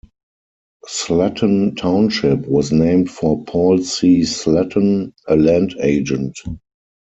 Sletten Township was named for Paul C. Sletten, a land agent.